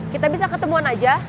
kita bisa ketemuan aja